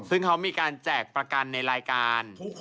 ซึ่งเขามีการแจกประกันในรายการ